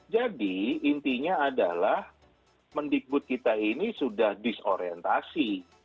jadi intinya adalah mendikbud kita ini sudah disorientasi